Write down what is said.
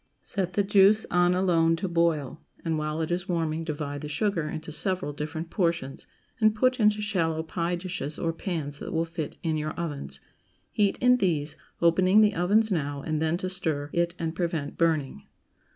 Set the juice on alone to boil, and while it is warming divide the sugar into several different portions, and put into shallow pie dishes or pans that will fit in your ovens; heat in these, opening the ovens now and then to stir it and prevent burning.